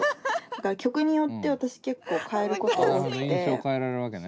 だから曲によって私結構変えること多くて。